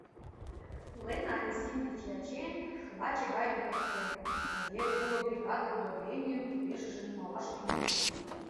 Лена Анисим деч ячен, лаче гайым тодыктен, тыге уло бригаде удобренийым тупешыже нумалаш тӱҥалын.